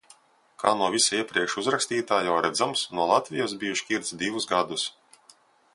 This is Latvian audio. Kā no visa iepriekš uzrakstītā jau redzams, no Latvijas biju šķirts divus gadus.